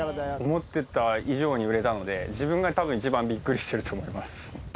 思ってた以上に売れたので、自分がたぶん一番びっくりしてると思います。